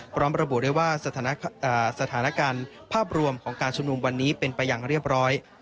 พร้อมระบุได้ว่าสถานการณ์ภาพรวมของการชุมนุมวันนี้เป็นไปอย่างเรียบร้อย